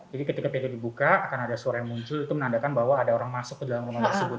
jadi ketika pintunya dibuka akan ada suara yang muncul itu menandakan bahwa ada orang masuk ke dalam rumah tersebut ya